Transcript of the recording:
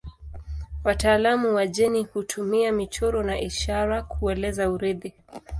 Wataalamu wa jeni hutumia michoro na ishara kueleza urithi.